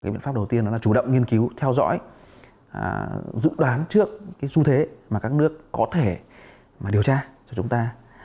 biện pháp đầu tiên là chủ động nghiên cứu theo dõi dự đoán trước su thế mà các nước có thể điều tra cho chúng ta